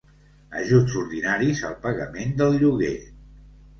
Ajuts ordinaris al pagament del lloguer.